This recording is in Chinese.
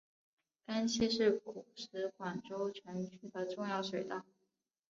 甘溪是古时广州城区的重要水道。